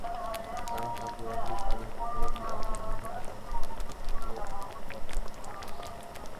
Salah satu lagu paling populer di album ini adalah "Viervoeters".